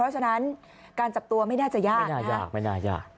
ด้วยฉะนั้นการจับตัวไม่น่าจะยาก